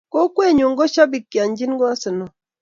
kokwee nyu kushobikionchini arsenal